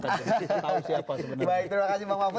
tahu siapa sebenarnya